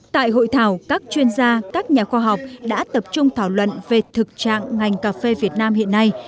tại hội thảo các chuyên gia các nhà khoa học đã tập trung thảo luận về thực trạng ngành cà phê việt nam hiện nay